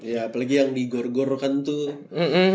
ya apalagi yang di gor gor kan tuh